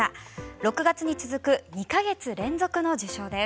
６月に続く２か月連続の受賞です。